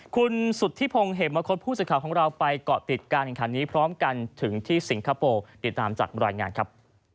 คุณสุธิพงศ์เหมมะคดผู้สื่อข่าวของเราไปเกาะติดการแข่งขันนี้พร้อมกันถึงที่สิงคโปร์ติดตามจากรายงานครับ